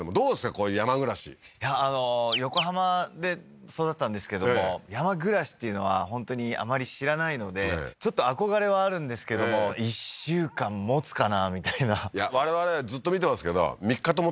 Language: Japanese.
こういう山暮らし横浜で育ったんですけども山暮らしっていうのは本当にあまり知らないのでちょっと憧れはあるんですけども１週間もつかなみたいないや我々ずっと見てますけど３日ともたないですね